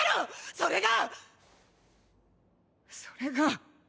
それが！それが。